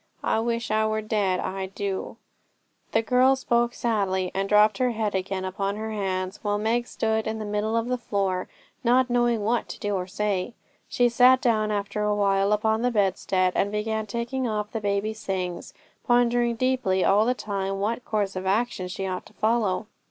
I wish I were dead, I do.' The girl spoke sadly, and dropped her head again upon her hands, while Meg stood in the middle of the floor, not knowing what to do or say. She sat down after a while upon the bedstead, and began taking off the baby's things, pondering deeply all the time what course of action she ought to follow.